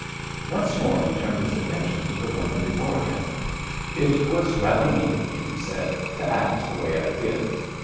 Once more he turned his attention to the woman before him. "It was rather weak of me," he said, "to act the way I did."